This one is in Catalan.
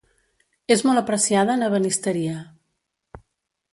És molt apreciada en ebenisteria.